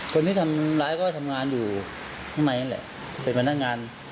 คนที่ทำร้ายก็ทำงานอยู่ข้างในนั่นแหละเป็นพนักงาน